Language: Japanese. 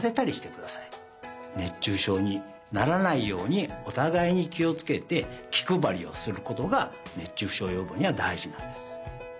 熱中症にならないようにおたがいにきをつけてきくばりをすることが熱中症よぼうにはだいじなんです。